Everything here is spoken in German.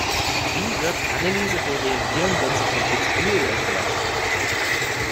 Wie wird Anneliese wohl reagieren, wenn sie von Kitzbühel erfährt?